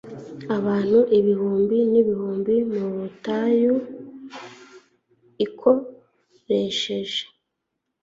abantu ibihumbi nibihumbi mu butayu ikoresheje